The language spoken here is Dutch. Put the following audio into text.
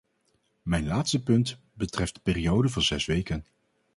Mijn laatste punt betreft de periode van zes weken.